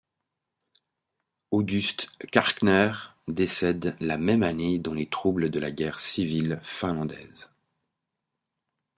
August Keirkner décède la même année dans les troubles de la guerre civile finlandaise.